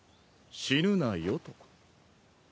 死ぬなよと。